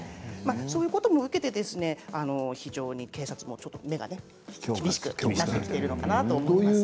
そういうことも受けて警察も目が厳しくなってきているのかなと思います。